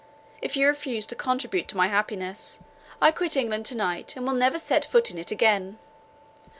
If you refuse to contribute to my happiness, I quit England to night, and will never set foot in it again.